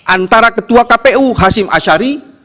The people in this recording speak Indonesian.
antara ketua kpu hasim ashari